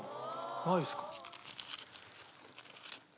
ないですか。